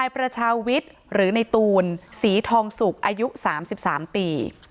ประชาวิทย์หรือในตูนศรีทองสุกอายุ๓๓ปี